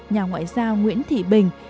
nhà ngoại giao nguyễn thị bình